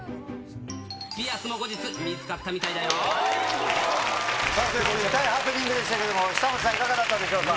ピアスも後日、見つかったみたいだよ。ということで、痛いハプニングでしたけれども、久本さん、いかがだったでしょう